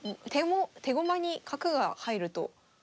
手駒に角が入ると。